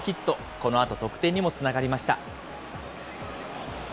このあと、得点にもつながりました。